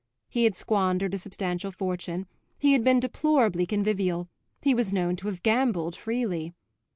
He had squandered a substantial fortune, he had been deplorably convivial, he was known to have gambled freely.